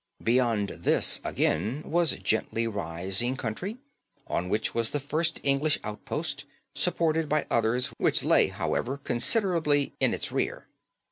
Beyond this again was gently rising country, on which was the first English outpost, supported by others which lay, however, considerably in its rear.